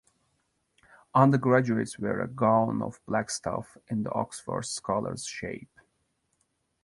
Undergraduates wear a gown of black stuff, in the Oxford scholar's shape.